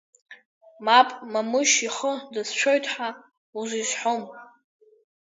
Мап, Мамышь ихы дацәшәоит ҳәа узизҳәом.